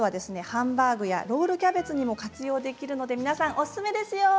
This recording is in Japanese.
ハンバーグやロールキャベツにも活用できるので皆さんおすすめですよ。